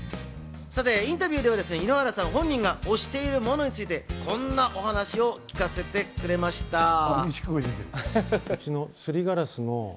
さてインタビューでは井ノ原さん本人が推しているものについてこんなお話を聞かせてくれました。